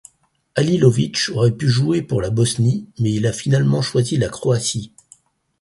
Halilović aurait pu jouer pour la Bosnie, mais il a finalement choisi la Croatie.